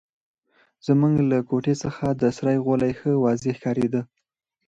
زموږ له کوټې څخه د سرای غولی ښه واضح ښکارېده.